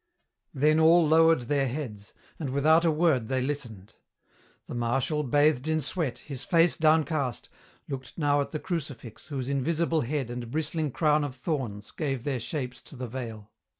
Then all lowered their heads, and without a word they listened. The Marshal, bathed in sweat, his face downcast, looked now at the crucifix whose invisible head and bristling crown of thorns gave their shapes to the veil.